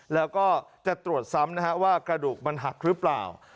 แล้วก็จะตรวจซ้ำนะฮะว่ากระดูกมันหักหรือเปล่า